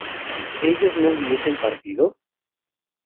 ¿ellos no hubiesen partido?